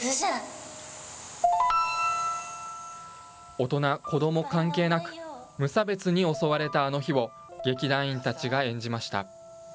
大人、子ども関係なく、無差別に襲われたあの日を、劇団員たちが演じました。